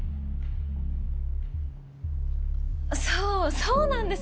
そうそうなんです。